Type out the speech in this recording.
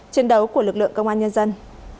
chiến đấu của lực lượng công an nhân dân